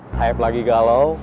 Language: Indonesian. saeb lagi galau